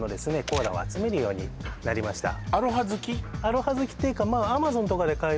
コーラを集めるようになりました